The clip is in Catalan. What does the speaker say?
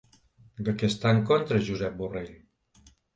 De què està en contra Josep Borrell?